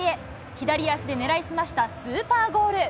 左足で狙い澄ましたスーパーゴール。